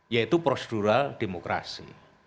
yaitu prosedural demokrasi